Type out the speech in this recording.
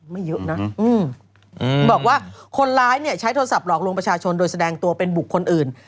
ไม่เยอะนะบอกว่าคนร้ายเนี่ยใช้โทรศัพท์หลอกลวงประชาชนโดยแสดงตัวเป็นบุคคลอื่น